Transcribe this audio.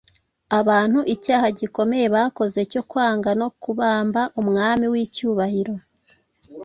abantu icyaha gikomeye bakoze cyo kwanga no kubamba Umwami w’icyubahiro.